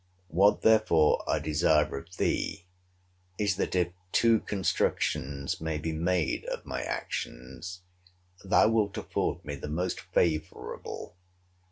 What therefore I desire of thee, is, that, if two constructions may be made of my actions, thou wilt afford me the most favourable.